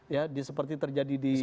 ya seperti terjadi di